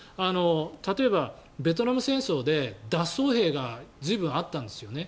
例えば、ベトナム戦争で脱走兵が随分あったんですよね。